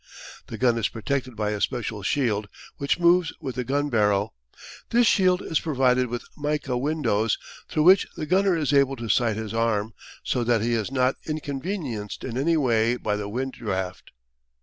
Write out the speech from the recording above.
The gun is protected by a special shield which moves with the gun barrel. This shield is provided with mica windows, through which the gunner is able to sight his arm, so that he is not inconvenienced in any way by the wind draught.